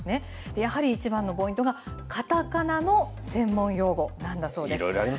やはり一番のポイントがかたかなの専門用語なんだそうです。